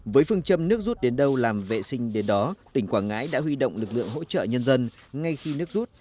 với phương châm nước rút đến đâu làm vệ sinh đến đó tỉnh quảng ngãi đã huy động lực lượng hỗ trợ nhân dân ngay khi nước rút